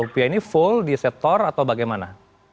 oke jadi ini full di setor atau bagaimana